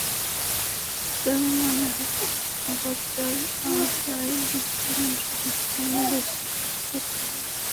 তার মানে হলো, আপটার আওতায় বিদ্যমান সুবিধা বাংলাদেশকে ত্যাগ করতে হবে।